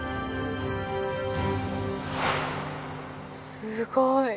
すごい！